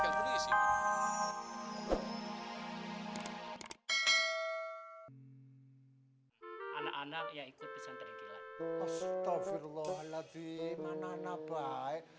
anak anak yang ikut bisa terikilan astagfirullahaladzim anak anak baik